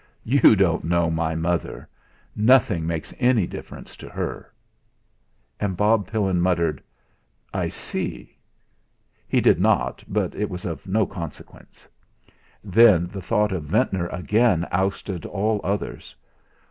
"You don't know mother. Nothing makes any difference to her." And Bob Pillin muttered: "I see." He did not, but it was of no consequence. Then the thought of Ventnor again ousted all others.